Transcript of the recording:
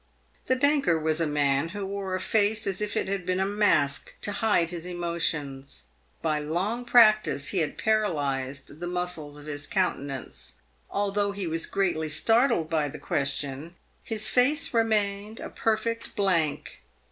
The banker was a man who wore a face as if it had been a mask to hide his emotions. By long practice, he had paralysed the muscles of his countenance. Al though he was greatly startled by the question, his face remained a perfect blank.